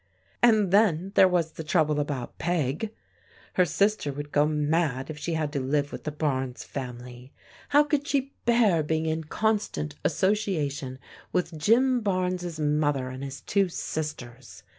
And then there was the trouble about Peg. Her sister would go mad if she had to live vdth the Barnes family. How could she bear being in con stant association with Jim Barnes' mother and his two sisters